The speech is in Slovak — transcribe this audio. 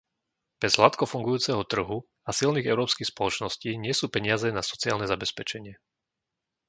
Bez hladko fungujúceho trhu a silných európskych spoločností nie sú peniaze na sociálne zabezpečenie.